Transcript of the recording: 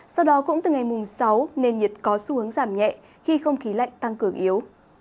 sau đó cũng từ ngày mùng sáu nền nhiệt có xu hướng giảm nhẹ khi không khí lạnh tăng cường yếu